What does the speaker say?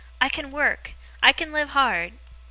I can work. I can live hard.